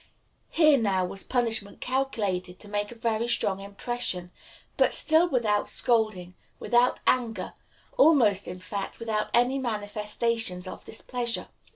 Here now was punishment calculated to make a very strong impression but still without scolding, without anger, almost, in fact, without even any manifestations of displeasure.